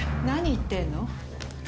何言ってんの？